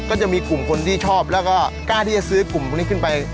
ก็จะมีกลุ่มคนที่ชอบแล้วก็กล้าที่จะซื้อกลุ่มพวกนี้ขึ้นไป